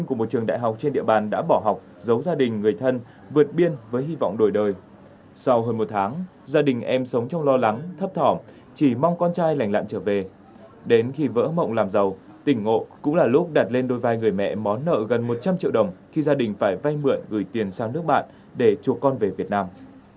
khi gia đình phải vay mượn gửi tiền sang nước bạn để chụp con về việt nam